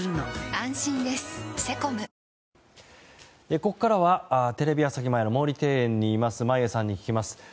ここからはテレビ朝日前の毛利庭園にいます眞家さんに聞きます。